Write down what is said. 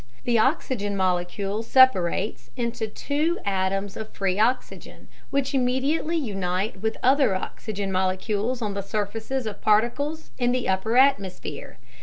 The oxygen molecule separates into two atoms of free oxygen, which immediately unite with other oxygen molecules on the surfaces of particles in the upper atmosphere.